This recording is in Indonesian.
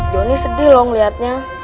joni sedih loh ngeliatnya